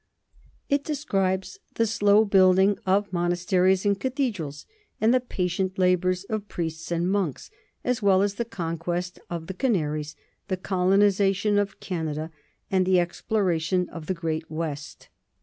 It describes the slow building of monasteries and cathedrals and the patient labors of priests and monks, as well as the conquest of the Cana ries, the colonization of Canada, and the exploration of the Great West.